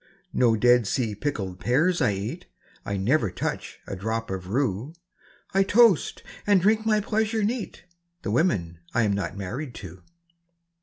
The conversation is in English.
No Dead Sea pickled pears I eat; I never touch a drop of rue; I toast, and drink my pleasure neat, The women I'm not married to!